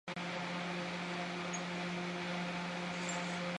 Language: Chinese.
朝贡体系的雏形是古代中国的畿服制度。